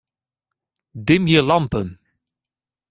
Dimje lampen.